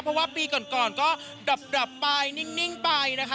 เพราะว่าปีก่อนก็ดับไปนิ่งไปนะคะ